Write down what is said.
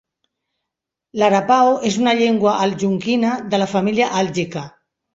L'arapaho és una llengua algonquina de la família àlgica.